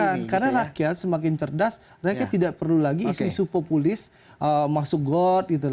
bukan karena rakyat semakin cerdas rakyat tidak perlu lagi isu isu populis masuk got gitu